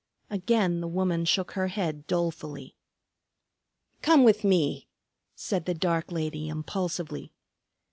Again the woman shook her head dolefully. "Come with me," said the dark lady impulsively.